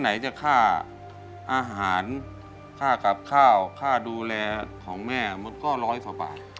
ไหนจะค่าอาหารค่ากับข้าวค่าดูแลของแม่มันก็ร้อยกว่าบาท